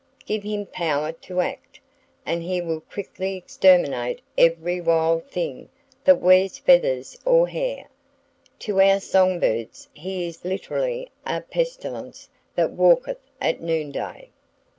Give him power to act, and he will quickly exterminate every wild thing that wears feathers or hair. To our songbirds he is literally a "pestilence that walketh at noonday".